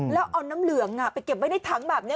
แล้วเอาน้ำเหลืองไปเก็บไว้ในถังแบบนี้